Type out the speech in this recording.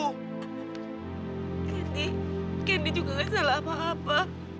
candy candy juga gak salah apa apa